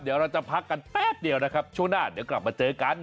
เดี๋ยวเราจะพักกันแป๊บเดียวนะครับช่วงหน้าเดี๋ยวกลับมาเจอกัน